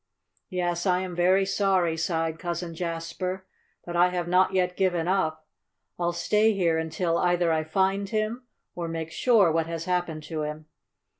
"Yes, I am very sorry," sighed Cousin Jasper. "But I have not yet given up. I'll stay here until either I find him, or make sure what has happened to him.